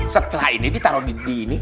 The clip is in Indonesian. setelah ini ditaruh di ini